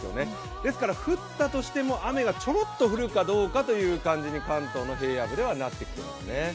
ですから、降ったとしても雨がちょろっと降るかどうかということに関東の平野部ではなってきていますね。